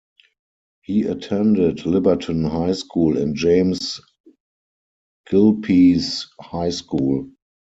He attended Liberton High School and James Gillespie's High School.